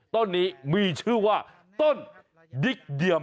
ต้นนี้มีชื่อว่าต้นดิกเดียม